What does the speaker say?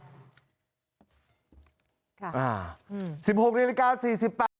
เขาบอกว่าคนเดียวเอารูปให้เขาดูว่าเป็นคนเดียวกัน